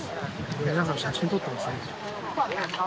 皆さん、写真撮ってますね。